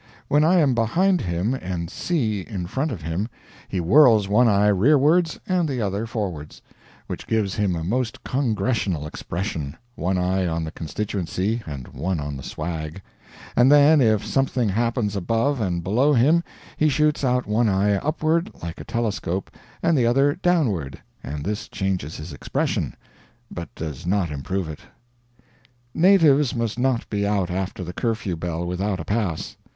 When I am behind him and C. in front of him, he whirls one eye rearwards and the other forwards which gives him a most Congressional expression (one eye on the constituency and one on the swag); and then if something happens above and below him he shoots out one eye upward like a telescope and the other downward and this changes his expression, but does not improve it. Natives must not be out after the curfew bell without a pass.